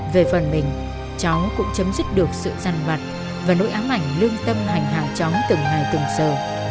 về phần mình cháu cũng chấm dứt được sự răn mặt và nỗi ám ảnh lương tâm hành hàng cháu từng ngày từng giờ